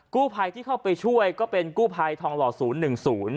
กู้ภัยที่เข้าไปช่วยก็เป็นกู้ภัยทองหล่อศูนย์๑๐